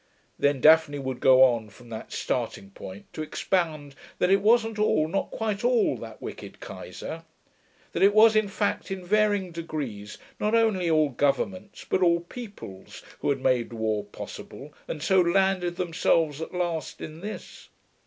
Then Daphne would go on from that starting point to expound that it wasn't all, not quite all, that wicked Keyser. That it was, in fact, in varying degrees, not only all governments but all peoples, who had made war possible and so landed themselves at last in this.